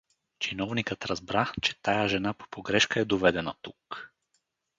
Чиновникът разбра, че тая жена по погрешка е доведена тук.